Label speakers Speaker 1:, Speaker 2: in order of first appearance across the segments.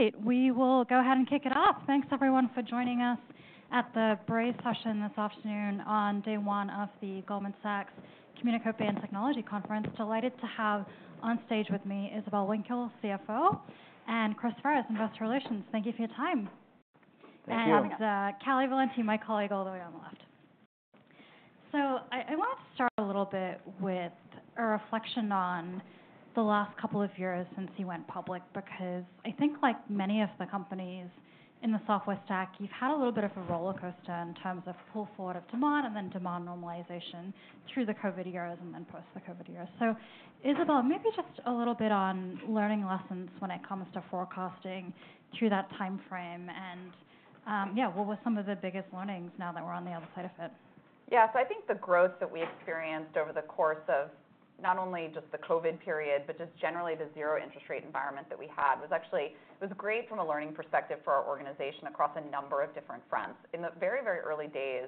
Speaker 1: All right, we will go ahead and kick it off. Thanks everyone for joining us at the Braze session this afternoon on day one of the Goldman Sachs Communications and Technology Conference. Delighted to have on stage with me, Isabelle Winkles, CFO, and Chris Ferris, Investor Relations. Thank you for your time.
Speaker 2: Thank you.
Speaker 1: Kalli Valenti, my colleague, all the way on the left. I want to start a little bit with a reflection on the last couple of years since you went public, because I think like many of the companies in the software stack, you've had a little bit of a rollercoaster in terms of pull forward of demand and then demand normalization through the COVID years and then post the COVID years. Isabelle, maybe just a little bit on learning lessons when it comes to forecasting through that timeframe and, yeah, what were some of the biggest learnings now that we're on the other side of it?
Speaker 3: Yeah. So I think the growth that we experienced over the course of not only just the COVID period, but just generally the zero interest rate environment that we had, was actually, it was great from a learning perspective for our organization across a number of different fronts. In the very, very early days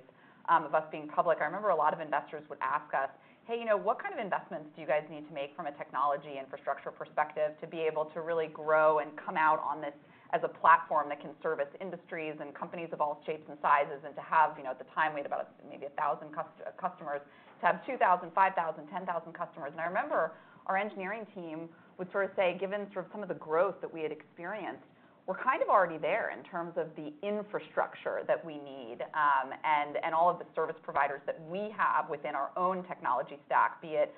Speaker 3: of us being public, I remember a lot of investors would ask us: "Hey, you know, what kind of investments do you guys need to make from a technology infrastructure perspective to be able to really grow and come out on this as a platform that can service industries and companies of all shapes and sizes?" And to have, you know, at the time we had about maybe a thousand customers, to have 2,000, 5,000, 10,000 customers. I remember our engineering team would sort of say, given sort of some of the growth that we had experienced, we're kind of already there in terms of the infrastructure that we need, and all of the service providers that we have within our own technology stack, be it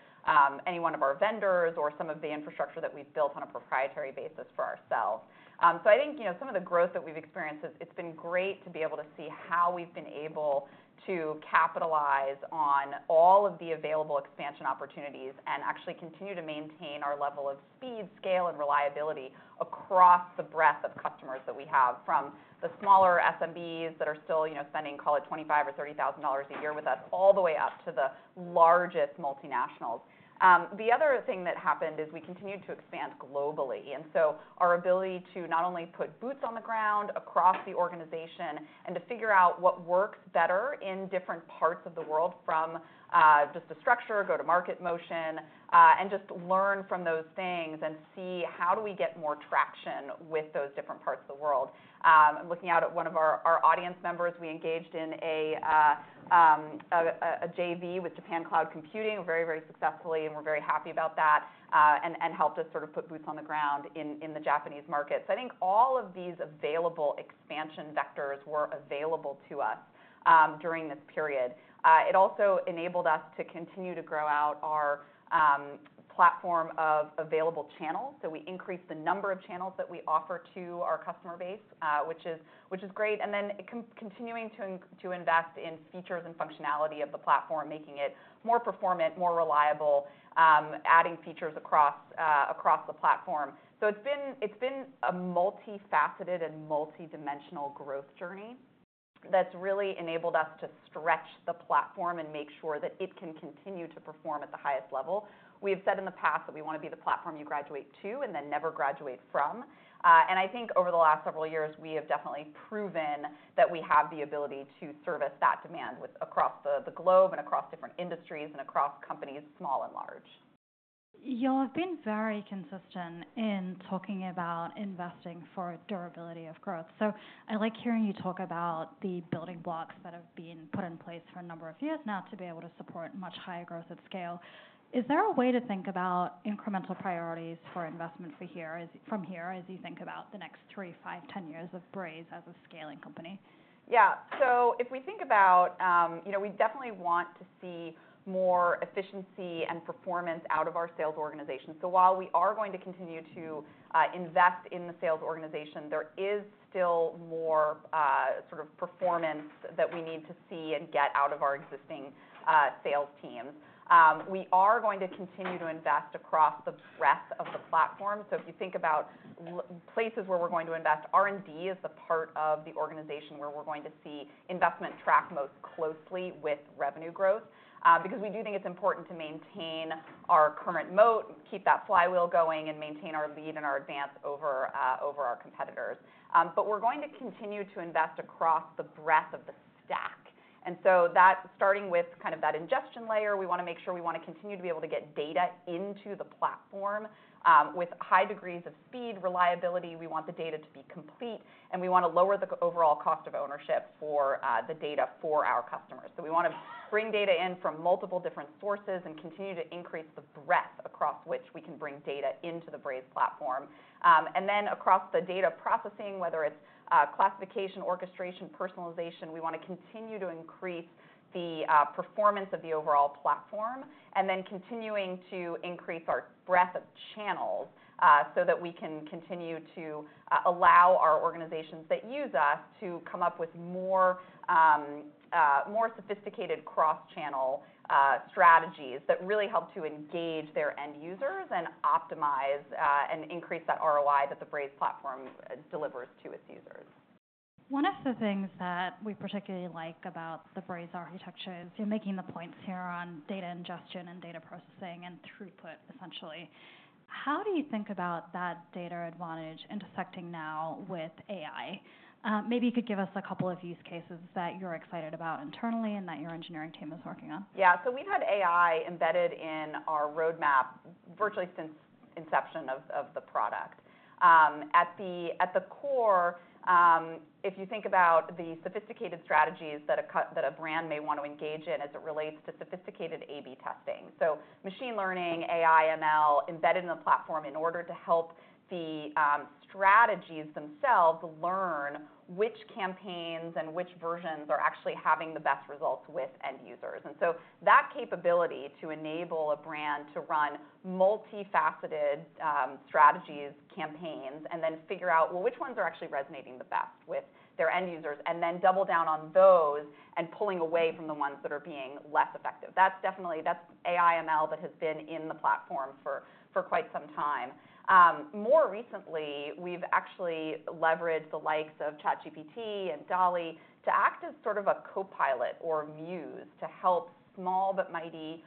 Speaker 3: any one of our vendors or some of the infrastructure that we've built on a proprietary basis for ourselves. I think, you know, some of the growth that we've experienced is. It's been great to be able to see how we've been able to capitalize on all of the available expansion opportunities, and actually continue to maintain our level of speed, scale, and reliability across the breadth of customers that we have, from the smaller SMBs that are still, you know, spending, call it $25,000 or $30,000 a year with us, all the way up to the largest multinationals. The other thing that happened is we continued to expand globally, and so our ability to not only put boots on the ground across the organization and to figure out what works better in different parts of the world, from just the structure, go-to-market motion, and just learn from those things and see how do we get more traction with those different parts of the world. I'm looking out at one of our audience members. We engaged in a JV with Japan Cloud Computing very, very successfully, and we're very happy about that, and helped us sort of put boots on the ground in the Japanese market. So I think all of these available expansion vectors were available to us during this period. It also enabled us to continue to grow out our platform of available channels. So we increased the number of channels that we offer to our customer base, which is great, and then continuing to invest in features and functionality of the platform, making it more performant, more reliable, adding features across the platform. So it's been a multifaceted and multidimensional growth journey that's really enabled us to stretch the platform and make sure that it can continue to perform at the highest level. We have said in the past that we want to be the platform you graduate to and then never graduate from. and I think over the last several years, we have definitely proven that we have the ability to service that demand with across the globe and across different industries and across companies, small and large.
Speaker 1: Y'all have been very consistent in talking about investing for durability of growth. So I like hearing you talk about the building blocks that have been put in place for a number of years now to be able to support much higher growth at scale. Is there a way to think about incremental priorities for investment for here, from here, as you think about the next three, five, ten years of Braze as a scaling company?
Speaker 3: Yeah. So if we think about, you know, we definitely want to see more efficiency and performance out of our sales organization. So while we are going to continue to invest in the sales organization, there is still more sort of performance that we need to see and get out of our existing sales teams. We are going to continue to invest across the breadth of the platform. So if you think about places where we're going to invest, R&D is the part of the organization where we're going to see investment track most closely with revenue growth, because we do think it's important to maintain our current moat, keep that flywheel going, and maintain our lead and our advance over our competitors. But we're going to continue to invest across the breadth of the stack. And so, starting with kind of that ingestion layer, we want to make sure to continue to be able to get data into the platform with high degrees of speed, reliability. We want the data to be complete, and we want to lower the overall cost of ownership for the data for our customers. So we want to bring data in from multiple different sources and continue to increase the breadth across which we can bring data into the Braze platform. And then across the data processing, whether it's classification, orchestration, personalization, we want to continue to increase the performance of the overall platform, and then continuing to increase our breadth of channels, so that we can continue to allow our organizations that use us to come up with more sophisticated cross-channel strategies that really help to engage their end users and optimize and increase that ROI that the Braze platform delivers to its users.
Speaker 1: One of the things that we particularly like about the Braze architecture is you're making the points here on data ingestion and data processing and throughput, essentially. How do you think about that data advantage intersecting now with AI? Maybe you could give us a couple of use cases that you're excited about internally and that your engineering team is working on.
Speaker 3: Yeah, so we've had AI embedded in our roadmap virtually since inception of the product. At the core, if you think about the sophisticated strategies that a brand may want to engage in as it relates to sophisticated A/B testing, so machine learning, AI/ML, embedded in the platform in order to help the strategies themselves learn which campaigns and which versions are actually having the best results with end users, and so that capability to enable a brand to run multifaceted strategies, campaigns, and then figure out, well, which ones are actually resonating the best with their end users, and then double down on those and pulling away from the ones that are being less effective. That's definitely... AI/ML that has been in the platform for quite some time. More recently, we've actually leveraged the likes of ChatGPT and DALL-E to act as sort of a co-pilot or muse to help small but mighty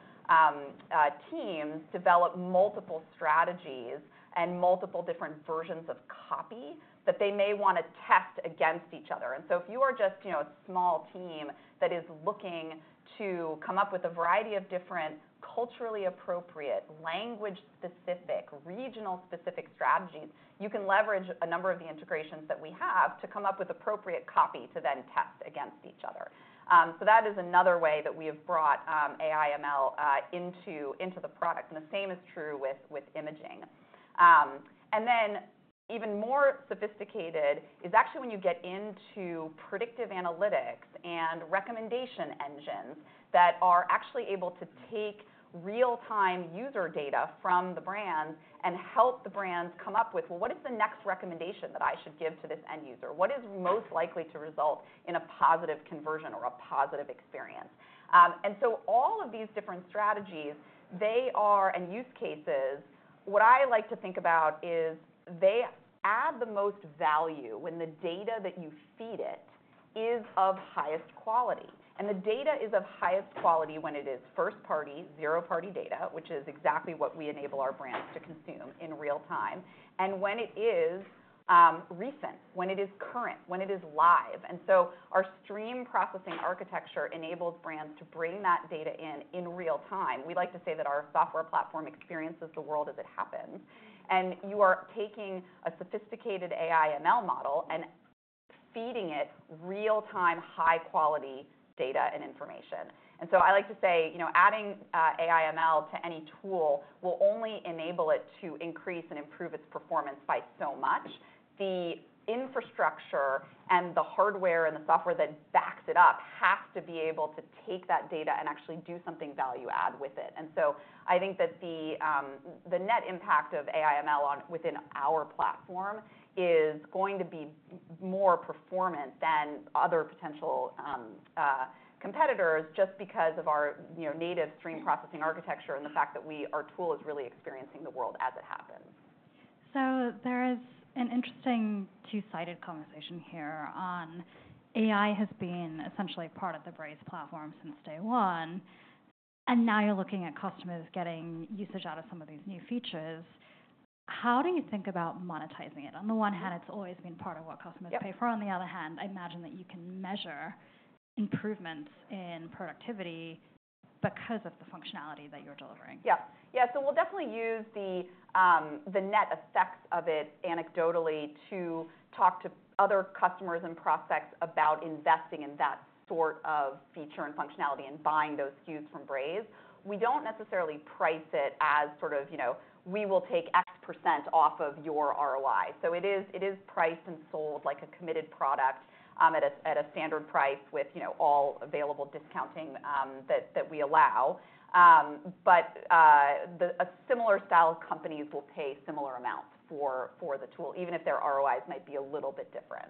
Speaker 3: teams develop multiple strategies and multiple different versions of copy that they may wanna test against each other. And so if you are just, you know, a small team that is looking to come up with a variety of different culturally appropriate, language-specific, regional-specific strategies, you can leverage a number of the integrations that we have to come up with appropriate copy to then test against each other. So that is another way that we have brought AI/ML into the product, and the same is true with imaging. And then even more sophisticated is actually when you get into predictive analytics and recommendation engines that are actually able to take real-time user data from the brand and help the brands come up with, "Well, what is the next recommendation that I should give to this end user? What is most likely to result in a positive conversion or a positive experience?" And so all of these different strategies and use cases, what I like to think about is they add the most value when the data that you feed it is of highest quality. And the data is of highest quality when it is first-party, zero-party data, which is exactly what we enable our brands to consume in real-time, and when it is recent, when it is current, when it is live. Our stream processing architecture enables brands to bring that data in real time. We like to say that our software platform experiences the world as it happens, and you are taking a sophisticated AI/ML model and feeding it real-time, high-quality data and information. I like to say, you know, adding AI/ML to any tool will only enable it to increase and improve its performance by so much. The infrastructure and the hardware and the software that backs it up has to be able to take that data and actually do something value add with it. And so I think that the net impact of AI/ML on within our platform is going to be more performant than other potential competitors just because of our, you know, native stream processing architecture and the fact that we, our tool is really experiencing the world as it happens.
Speaker 1: So there is an interesting two-sided conversation here on how AI has been essentially part of the Braze platform since day one, and now you're looking at customers getting usage out of some of these new features. How do you think about monetizing it? On the one hand, it's always been part of what customers-
Speaker 3: Yep...
Speaker 1: pay for. On the other hand, I imagine that you can measure improvements in productivity because of the functionality that you're delivering.
Speaker 3: Yeah. Yeah, so we'll definitely use the net effects of it anecdotally to talk to other customers and prospects about investing in that sort of feature and functionality and buying those SKUs from Braze. We don't necessarily price it as sort of, you know, we will take X% off of your ROI. So it is priced and sold like a committed product, at a standard price with, you know, all available discounting that we allow. But, a similar style companies will pay similar amounts for the tool, even if their ROIs might be a little bit different.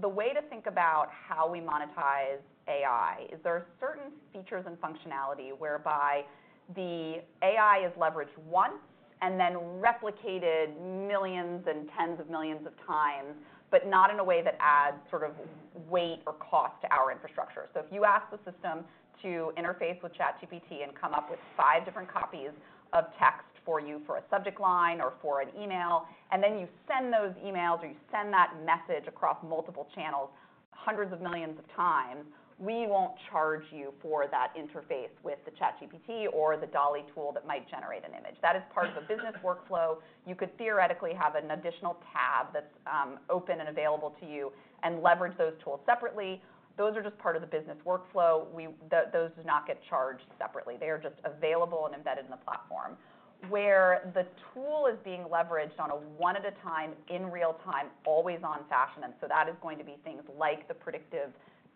Speaker 3: The way to think about how we monetize AI is there are certain features and functionality whereby the AI is leveraged once and then replicated millions and tens of millions of times, but not in a way that adds sort of weight or cost to our infrastructure. So if you ask the system to interface with ChatGPT and come up with five different copies of text for you for a subject line or for an email, and then you send those emails, or you send that message across multiple channels hundreds of millions of times, we won't charge you for that interface with the ChatGPT or the DALL-E tool that might generate an image. That is part of the business workflow. You could theoretically have an additional tab that's open and available to you and leverage those tools separately. Those are just part of the business workflow. Those do not get charged separately. They are just available and embedded in the platform. Where the tool is being leveraged on a one-at-a-time, in real-time, always on fashion, and so that is going to be things like the predictive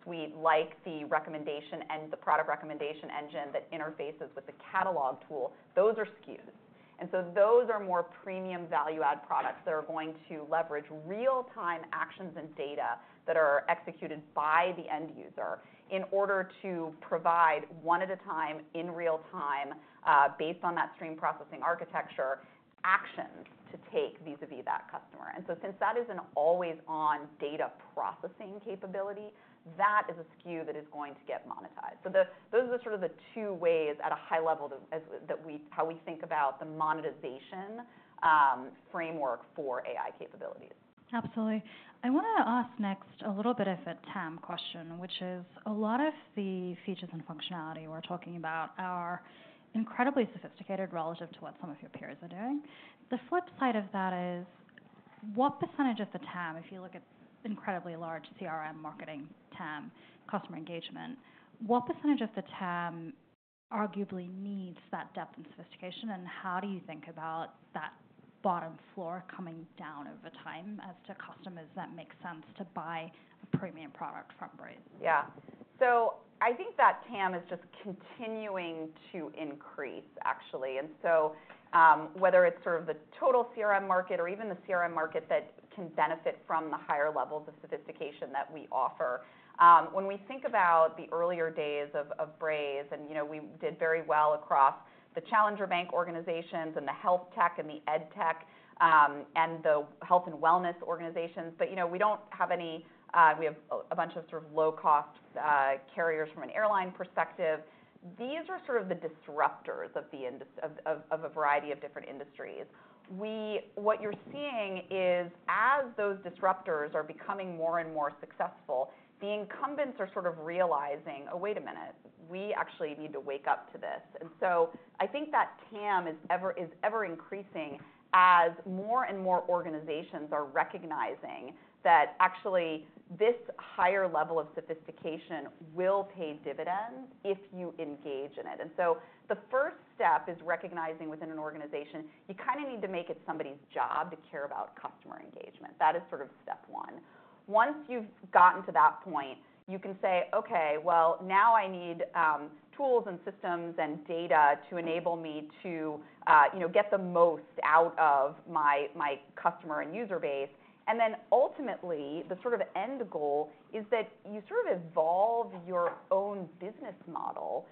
Speaker 3: suite, like the recommendation and the product recommendation engine that interfaces with the catalog tool, those are SKUs. And so those are more premium value-add products that are going to leverage real-time actions and data that are executed by the end user in order to provide one at a time, in real time, based on that stream processing architecture, actions to take vis-a-vis that customer. And so since that is an always-on data processing capability, that is a SKU that is going to get monetized. Those are sort of the two ways at a high level that we think about the monetization framework for AI capabilities.
Speaker 1: Absolutely. I wanna ask next a little bit of a TAM question, which is, a lot of the features and functionality we're talking about are incredibly sophisticated relative to what some of your peers are doing. The flip side of that is, what percentage of the TAM, if you look at incredibly large CRM marketing TAM, customer engagement, what percentage of the TAM arguably needs that depth and sophistication, and how do you think about that bottom floor coming down over time as to customers that make sense to buy a premium product from Braze?
Speaker 3: Yeah. So I think that TAM is just continuing to increase, actually, and so whether it's sort of the total CRM market or even the CRM market that can benefit from the higher levels of sophistication that we offer. When we think about the earlier days of Braze, and you know, we did very well across the challenger bank organizations and the health tech and the edtech, and the health and wellness organizations, but you know, we don't have any. We have a bunch of sort of low-cost carriers from an airline perspective. These are sort of the disruptors of a variety of different industries. What you're seeing is, as those disruptors are becoming more and more successful, the incumbents are sort of realizing, "Oh, wait a minute, we actually need to wake up to this." And so I think that TAM is ever, is ever-increasing as more and more organizations are recognizing that actually this higher level of sophistication will pay dividends if you engage in it. And so the first step is recognizing within an organization, you kind of need to make it somebody's job to care about customer engagement. That is sort of step one. Once you've gotten to that point, you can say, "Okay, well, now I need tools and systems and data to enable me to, you know, get the most out of my customer and user base." And then ultimately, the sort of end goal is that you sort of evolve your own business model,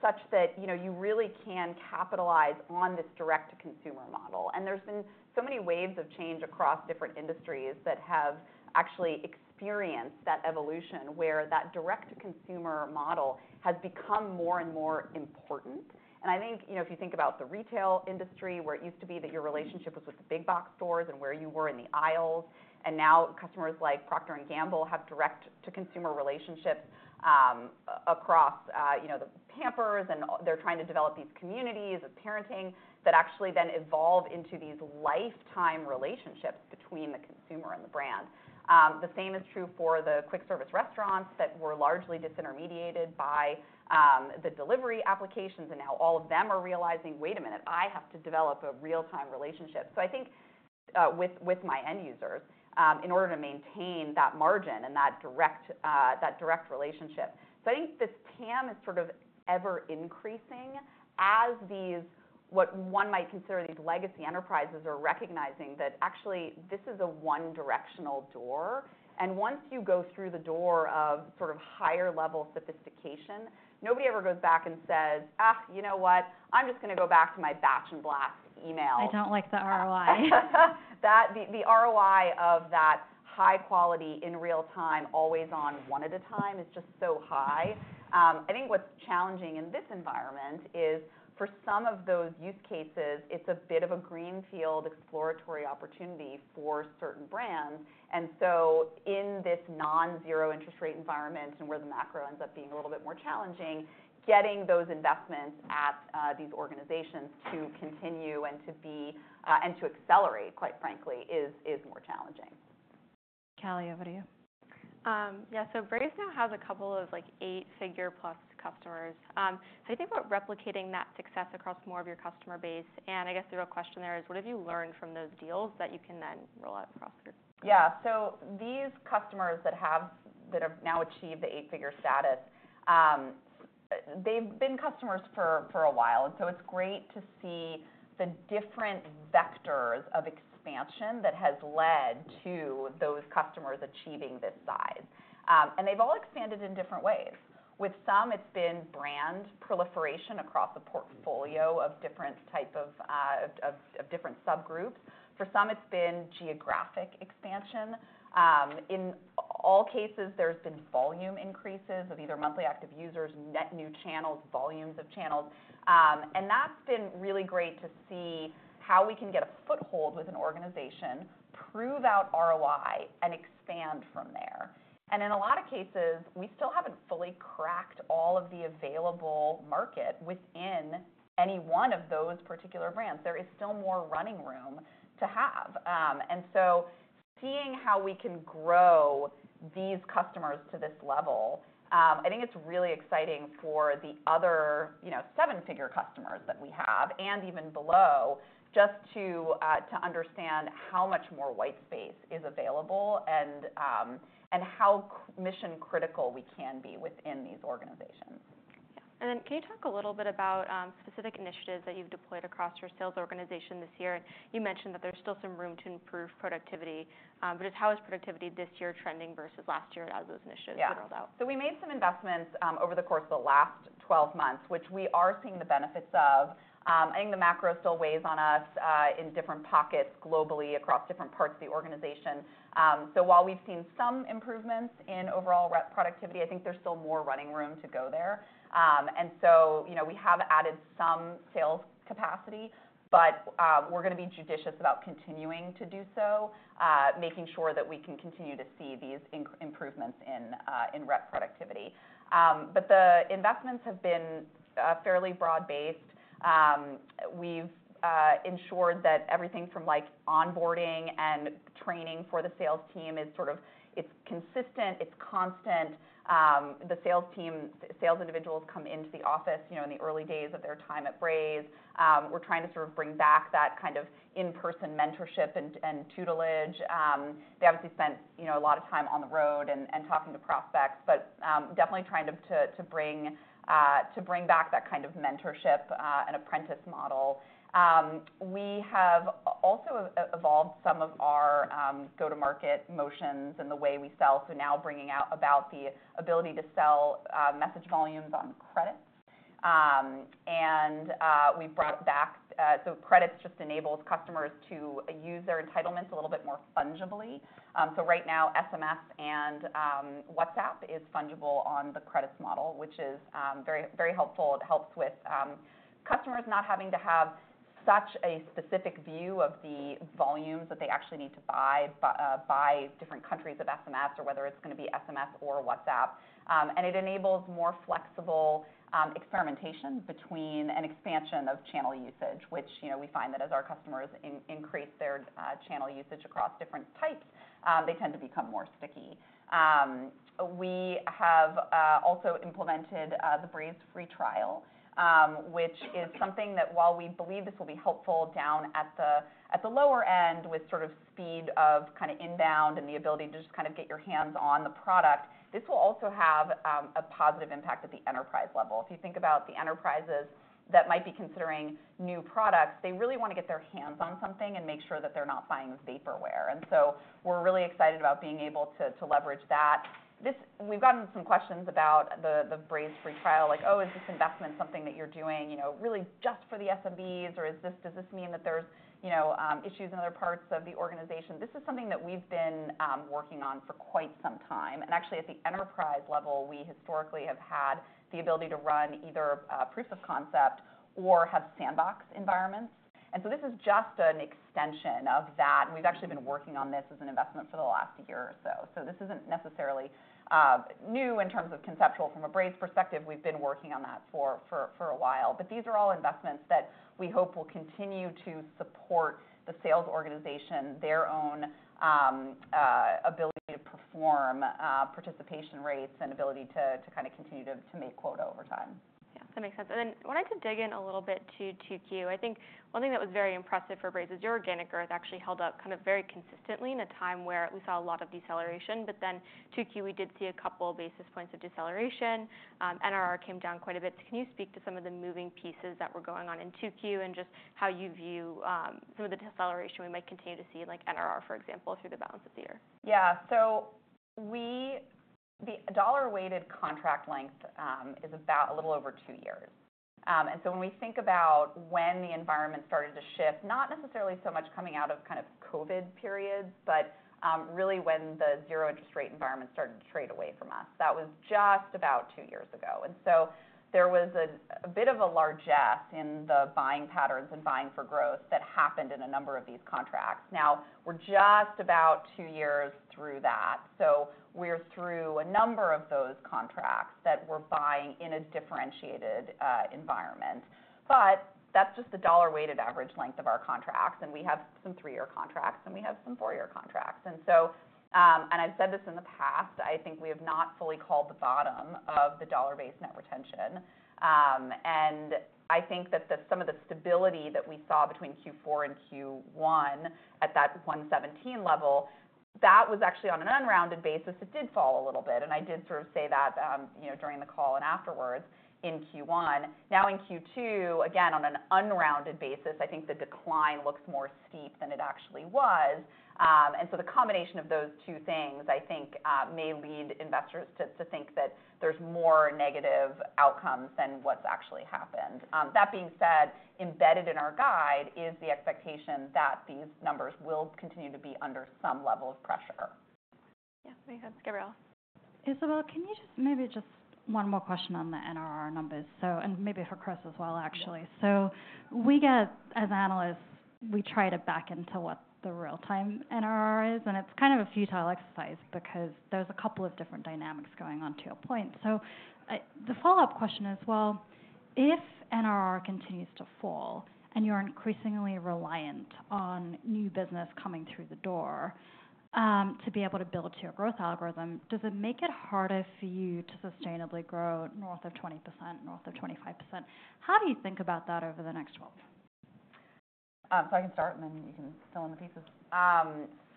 Speaker 3: such that, you know, you really can capitalize on this direct-to-consumer model. And there's been so many waves of change across different industries that have actually experienced that evolution, where that direct-to-consumer model has become more and more important. And I think, you know, if you think about the retail industry, where it used to be that your relationship was with the big box stores and where you were in the aisles, and now customers like Procter & Gamble have direct-to-consumer relationships across, you know, the Pampers, and they're trying to develop these communities of parenting that actually then evolve into these lifetime relationships between the consumer and the brand. The same is true for the quick-service restaurants that were largely disintermediated by the delivery applications, and now all of them are realizing, "Wait a minute, I have to develop a real-time relationship." I think with my end users in order to maintain that margin and that direct relationship. So I think this TAM is sort of ever-increasing as these, what one might consider these legacy enterprises, are recognizing that actually this is a one-directional door, and once you go through the door of sort of higher level sophistication, nobody ever goes back and says, "Ah, you know what? I'm just gonna go back to my batch and blast email.
Speaker 1: I don't like the ROI.
Speaker 3: That the ROI of that high quality in real time, always on, one at a time, is just so high. I think what's challenging in this environment is, for some of those use cases, it's a bit of a greenfield, exploratory opportunity for certain brands. And so in this non-zero interest rate environment and where the macro ends up being a little bit more challenging, getting those investments at these organizations to continue and to be and to accelerate, quite frankly, is more challenging.
Speaker 1: Kalli, over to you.
Speaker 4: Yeah, so Braze now has a couple of, like, eight-figure plus customers. So I think about replicating that success across more of your customer base, and I guess the real question there is: What have you learned from those deals that you can then roll out across your-
Speaker 3: Yeah. So these customers that have now achieved the eight-figure status, they've been customers for a while, and so it's great to see the different vectors of expansion that has led to those customers achieving this size. And they've all expanded in different ways. With some, it's been brand proliferation across a portfolio of different type of different subgroups. For some, it's been geographic expansion. In all cases, there's been volume increases of either monthly active users, net new channels, volumes of channels. And that's been really great to see how we can get a foothold with an organization, prove out ROI, and expand from there. And in a lot of cases, we still haven't fully cracked all of the available market within any one of those particular brands. There is still more running room to have. And so, seeing how we can grow these customers to this level, I think it's really exciting for the other, you know, seven-figure customers that we have, and even below, just to understand how much more white space is available and how mission-critical we can be within these organizations....
Speaker 4: And then can you talk a little bit about, specific initiatives that you've deployed across your sales organization this year? You mentioned that there's still some room to improve productivity, but just how is productivity this year trending versus last year as those initiatives were rolled out?
Speaker 3: Yeah. So we made some investments over the course of the last twelve months, which we are seeing the benefits of. I think the macro still weighs on us in different pockets globally, across different parts of the organization. So while we've seen some improvements in overall rep productivity, I think there's still more running room to go there. And so, you know, we have added some sales capacity, but we're gonna be judicious about continuing to do so, making sure that we can continue to see these improvements in rep productivity. But the investments have been fairly broad-based. We've ensured that everything from, like, onboarding and training for the sales team is sort of it's consistent, it's constant. The sales team, sales individuals come into the office, you know, in the early days of their time at Braze. We're trying to sort of bring back that kind of in-person mentorship and tutelage. They obviously spent, you know, a lot of time on the road and talking to prospects, but definitely trying to bring back that kind of mentorship and apprentice model. We have also evolved some of our go-to-market motions and the way we sell, so now bringing about the ability to sell message volumes on credits, and we've brought back, so credits just enables customers to use their entitlements a little bit more fungibly, so right now SMS and WhatsApp is fungible on the credits model, which is very, very helpful. It helps with customers not having to have such a specific view of the volumes that they actually need to buy by different countries of SMS or whether it's gonna be SMS or WhatsApp, and it enables more flexible experimentation between an expansion of channel usage, which, you know, we find that as our customers increase their channel usage across different types, they tend to become more sticky. We have also implemented the Braze free trial, which is something that, while we believe this will be helpful down at the lower end with sort of speed of kinda inbound and the ability to just kind of get your hands on the product, this will also have a positive impact at the enterprise level. If you think about the enterprises that might be considering new products, they really want to get their hands on something and make sure that they're not buying vaporware. And so we're really excited about being able to leverage that. This. We've gotten some questions about the Braze free trial, like, "Oh, is this investment something that you're doing, you know, really just for the SMBs, or does this mean that there's, you know, issues in other parts of the organization?" This is something that we've been working on for quite some time. And actually, at the enterprise level, we historically have had the ability to run either proof of concept or have sandbox environments. And so this is just an extension of that, and we've actually been working on this as an investment for the last year or so. So this isn't necessarily new in terms of conceptually from a Braze perspective. We've been working on that for a while. But these are all investments that we hope will continue to support the sales organization, their own ability to perform participation rates and ability to kinda continue to make quota over time. Yeah, that makes sense. And then I wanted to dig in a little bit to 2Q. I think one thing that was very impressive for Braze is your organic growth actually held up kind of very consistently in a time where we saw a lot of deceleration. But then 2Q, we did see a couple of basis points of deceleration. NRR came down quite a bit. Can you speak to some of the moving pieces that were going on in 2Q and just how you view some of the deceleration we might continue to see, like NRR, for example, through the balance of the year? Yeah. So we the dollar-weighted contract length is about a little over two years. And so when we think about when the environment started to shift, not necessarily so much coming out of kind of COVID periods, but really when the zero interest rate environment started to trade away from us. That was just about two years ago. And so there was a bit of a largesse in the buying patterns and buying for growth that happened in a number of these contracts. Now, we're just about two years through that. So we're through a number of those contracts that we're buying in a differentiated environment. But that's just the dollar-weighted average length of our contracts, and we have some three-year contracts, and we have some four-year contracts. And so, I've said this in the past. I think we have not fully called the bottom of the Dollar-based net retention. And I think that the some of the stability that we saw between Q4 and Q1 at that 117 level, that was actually on an unrounded basis, it did fall a little bit. And I did sort of say that, you know, during the call and afterwards in Q1. Now, in Q2, again, on an unrounded basis, I think the decline looks more steep than it actually was. And so the combination of those two things, I think, may lead investors to think that there's more negative outcomes than what's actually happened. That being said, embedded in our guide is the expectation that these numbers will continue to be under some level of pressure.
Speaker 4: Yeah, makes sense. Gabrielle?
Speaker 1: Isabelle, can you just maybe just one more question on the NRR numbers? So, and maybe for Chris as well, actually.
Speaker 3: Yeah.
Speaker 1: So we get, as analysts, we try to back into what the real-time NRR is, and it's kind of a futile exercise because there's a couple of different dynamics going on to your point. The follow-up question is, well, if NRR continues to fall and you're increasingly reliant on new business coming through the door, to be able to build to your growth algorithm, does it make it harder for you to sustainably grow north of 20%, north of 25%? How do you think about that over the next twelve months? ...
Speaker 3: So I can start, and then you can fill in the pieces.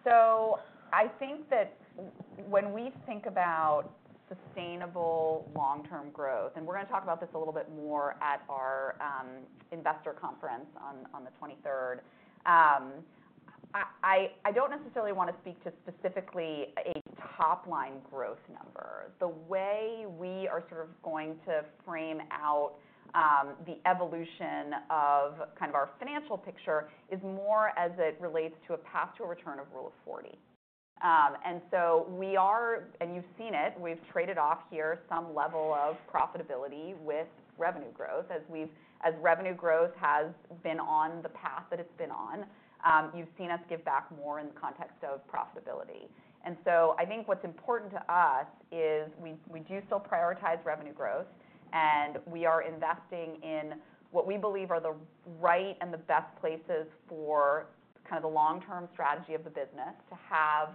Speaker 3: So I think that when we think about sustainable long-term growth, and we're gonna talk about this a little bit more at our investor conference on the 23rd. I don't necessarily want to speak to specifically a top-line growth number. The way we are sort of going to frame out the evolution of kind of our financial picture is more as it relates to a path to a return of Rule of 40. And so we are, and you've seen it, we've traded off here some level of profitability with revenue growth. As revenue growth has been on the path that it's been on, you've seen us give back more in the context of profitability. I think what's important to us is we do still prioritize revenue growth, and we are investing in what we believe are the right and the best places for kind of the long-term strategy of the business to have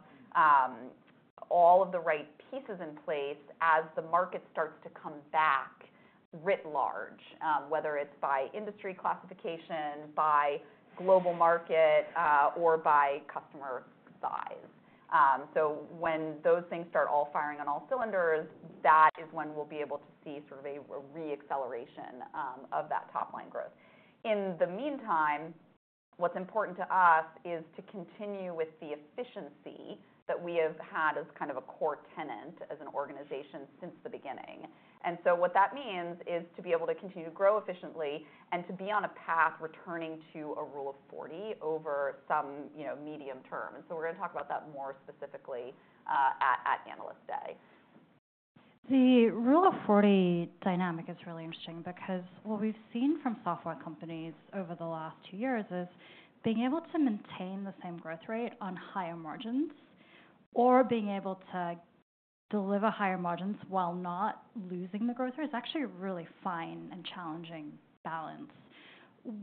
Speaker 3: all of the right pieces in place as the market starts to come back writ large, whether it's by industry classification, by global market, or by customer size. When those things start all firing on all cylinders, that is when we'll be able to see sort of a re-acceleration of that top-line growth. In the meantime, what's important to us is to continue with the efficiency that we have had as kind of a core tenet as an organization since the beginning. And so what that means is to be able to continue to grow efficiently and to be on a path returning to a Rule of 40 over some, you know, medium term. And so we're gonna talk about that more specifically at Analyst Day.
Speaker 1: The Rule of 40 dynamic is really interesting because what we've seen from software companies over the last two years is being able to maintain the same growth rate on higher margins or being able to deliver higher margins while not losing the growth rate is actually a really fine and challenging balance.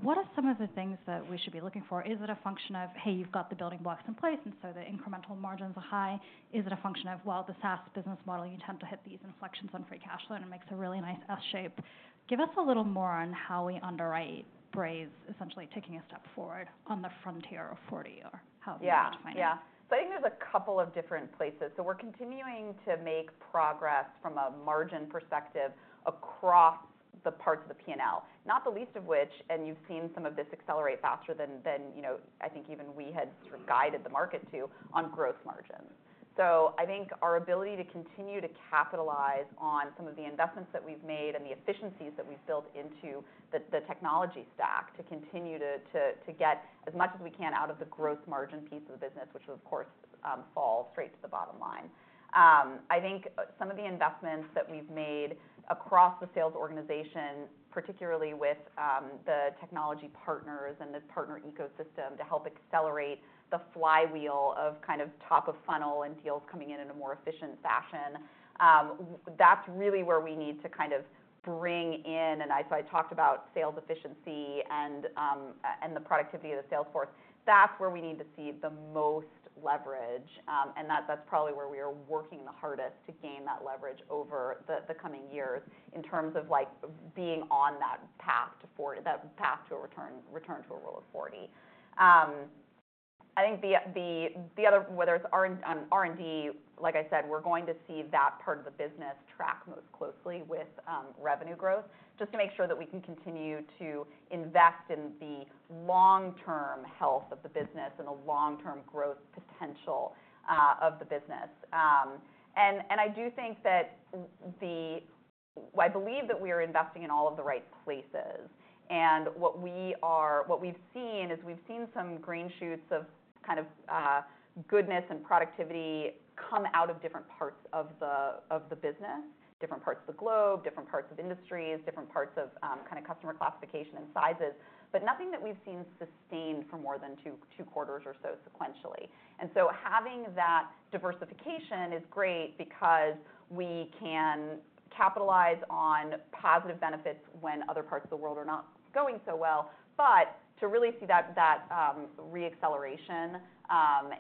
Speaker 1: What are some of the things that we should be looking for? Is it a function of, hey, you've got the building blocks in place, and so the incremental margins are high? Is it a function of, well, the SaaS business model, you tend to hit these inflections on free cash flow, and it makes a really nice S shape. Give us a little more on how we underwrite Braze, essentially taking a step forward on the frontier of 40, or how-
Speaker 3: Yeah.
Speaker 1: to define it.
Speaker 3: Yeah. So I think there's a couple of different places. So we're continuing to make progress from a margin perspective across the parts of the PNL, not the least of which, and you've seen some of this accelerate faster than, you know, I think even we had sort of guided the market to, on gross margins. So I think our ability to continue to capitalize on some of the investments that we've made and the efficiencies that we've built into the technology stack, to continue to get as much as we can out of the gross margin piece of the business, which, of course, falls straight to the bottom line. I think some of the investments that we've made across the sales organization, particularly with the technology partners and the partner ecosystem, to help accelerate the flywheel of kind of top of funnel and deals coming in in a more efficient fashion. That's really where we need to kind of bring in. And so I talked about sales efficiency and, and the productivity of the sales force. That's where we need to see the most leverage, and that's probably where we are working the hardest to gain that leverage over the coming years in terms of, like, being on that path to 40, that path to a return to a Rule of 40. I think the other, whether it's R&D, like I said, we're going to see that part of the business track most closely with revenue growth, just to make sure that we can continue to invest in the long-term health of the business and the long-term growth potential of the business. I do think that, well, I believe that we are investing in all of the right places, and what we've seen is we've seen some green shoots of kind of goodness and productivity come out of different parts of the business, different parts of the globe, different parts of industries, different parts of kind of customer classification and sizes, but nothing that we've seen sustained for more than two quarters or so sequentially. And so having that diversification is great because we can capitalize on positive benefits when other parts of the world are not going so well. But to really see that re-acceleration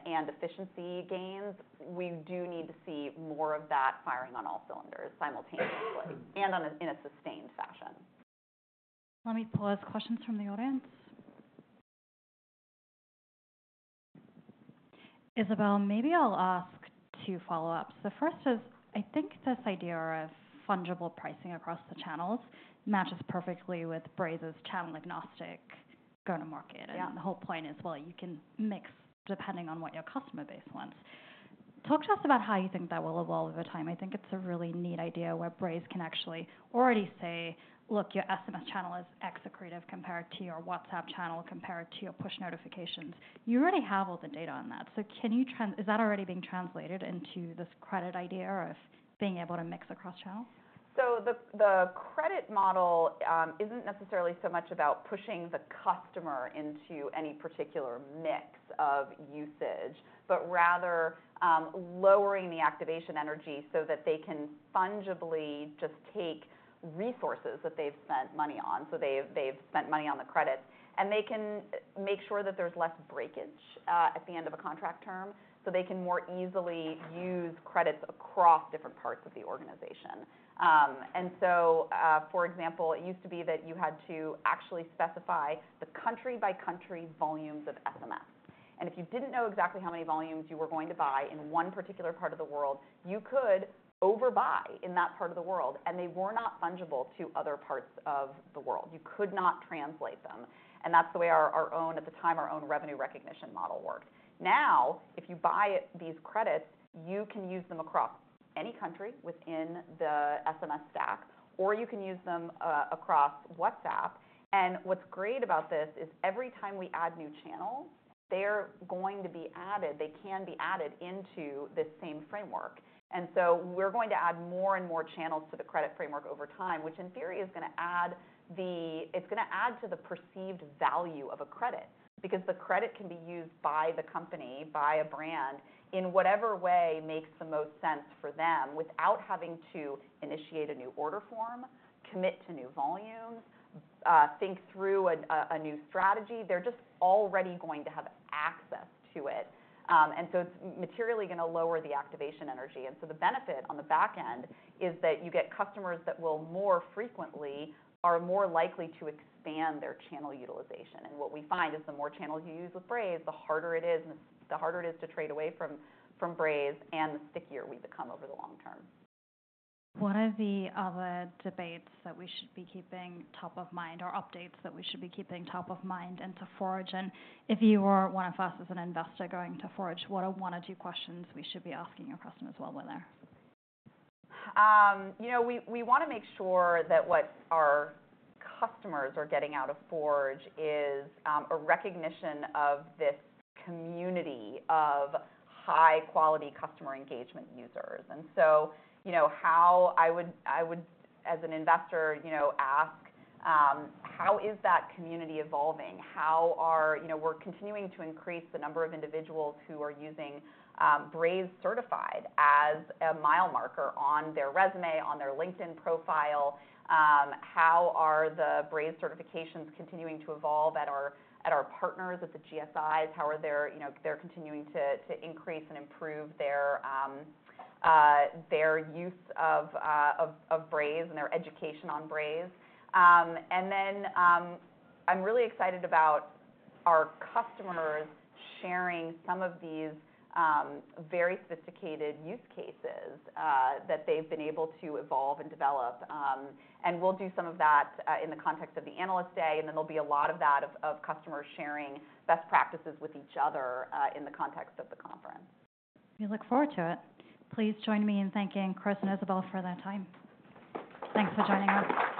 Speaker 3: and efficiency gains, we do need to see more of that firing on all cylinders simultaneously and in a sustained fashion.
Speaker 1: Let me pose questions from the audience. Isabelle, maybe I'll ask two follow-ups. The first is, I think this idea of fungible pricing across the channels matches perfectly with Braze's channel-agnostic go-to-market.
Speaker 3: Yeah.
Speaker 1: The whole point is, well, you can mix depending on what your customer base wants. Talk to us about how you think that will evolve over time. I think it's a really neat idea where Braze can actually already say, "Look, your SMS channel is expensive compared to your WhatsApp channel, compared to your push notifications." You already have all the data on that. So can you? Is that already being translated into this credit idea of being able to mix across channels?
Speaker 3: So the credit model isn't necessarily so much about pushing the customer into any particular mix of usage, but rather, lowering the activation energy so that they can fungibly just take resources that they've spent money on, so they've spent money on the credit, and they can make sure that there's less breakage at the end of a contract term, so they can more easily use credits across different parts of the organization. And so, for example, it used to be that you had to actually specify the country-by-country volumes of SMS, and if you didn't know exactly how many volumes you were going to buy in one particular part of the world, you could overbuy in that part of the world, and they were not fungible to other parts of the world. You could not translate them, and that's the way our own revenue recognition model worked at the time. Now, if you buy these credits, you can use them across any country within the SMS stack, or you can use them across WhatsApp, and what's great about this is every time we add new channels, they can be added into this same framework, and so we're going to add more and more channels to the credit framework over time, which in theory is gonna add to the perceived value of a credit, because the credit can be used by the company, by a brand, in whatever way makes the most sense for them without having to initiate a new order form, commit to new volumes, think through a new strategy. They're just already going to have access to it. And so it's materially gonna lower the activation energy. And so the benefit on the back end is that you get customers that will more frequently are more likely to expand their channel utilization. And what we find is the more channels you use with Braze, the harder it is to trade away from Braze and the stickier we become over the long term.
Speaker 1: What are the other debates that we should be keeping top of mind or updates that we should be keeping top of mind into Forge, and if you were one of us as an investor going to Forge, what are one or two questions we should be asking your customers while we're there?
Speaker 3: You know, we wanna make sure that what our customers are getting out of Forge is a recognition of this community of high-quality customer engagement users. And so, you know, how I would, as an investor, you know, ask, how is that community evolving? You know, we're continuing to increase the number of individuals who are using Braze Certified as a mile marker on their resume, on their LinkedIn profile. How are the Braze certifications continuing to evolve at our partners, at the GSIs? How are they, you know, continuing to increase and improve their use of Braze and their education on Braze. And then, I'm really excited about our customers sharing some of these very sophisticated use cases that they've been able to evolve and develop. And we'll do some of that in the context of the Analyst Day, and then there'll be a lot of that of customers sharing best practices with each other in the context of the conference.
Speaker 1: We look forward to it. Please join me in thanking Chris and Isabelle for their time. Thanks for joining us.